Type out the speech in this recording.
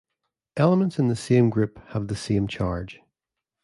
Elements in the same group have the same charge.